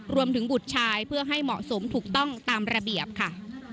บุตรชายเพื่อให้เหมาะสมถูกต้องตามระเบียบค่ะ